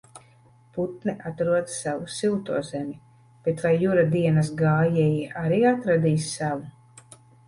Putni atrod savu silto zemi, bet vai Jura dienas gājēji arī atradīs savu?